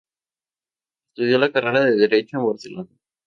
Estudió la carrera de Derecho en Barcelona.